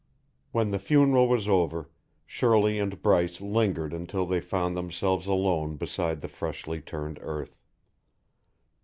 When the funeral was over, Shirley and Bryce lingered until they found themselves alone beside the freshly turned earth.